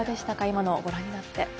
今のをご覧になって。